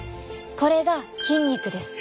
これが筋肉です。